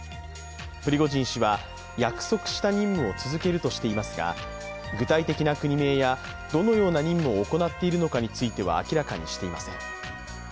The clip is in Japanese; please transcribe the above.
プリゴジン氏は約束した任務を続けるとしていますが具体的な国名やどのような任務を行っているのかについては明らかにしていません。